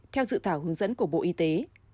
theo dự thảo hướng dẫn của bộ y tế